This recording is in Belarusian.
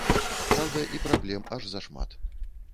Праўда, і праблем аж зашмат.